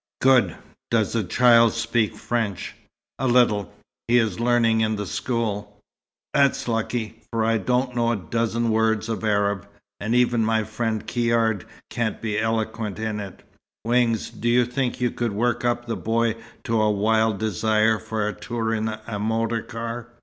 "Good. Does the child speak French?" "A little. He is learning in the school." "That's lucky, for I don't know a dozen words of Arab, and even my friend Caird can't be eloquent in it. Wings, do you think you could work up the boy to a wild desire for a tour in a motor car?"